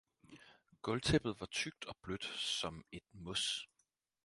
Gulvtæppet var tykt og blødt, som et mos.